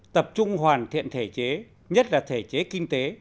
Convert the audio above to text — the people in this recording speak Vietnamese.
tập trung hoàn thiện thể chế nhất là thể chế kinh tế